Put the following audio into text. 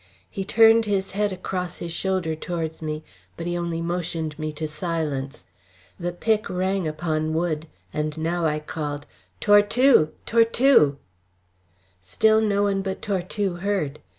He turned his head across his shoulder towards me, but he only motioned me to silence. The pick rang upon wood, and now I called: "Tortue! Tortue!" Still no one but Tortue heard.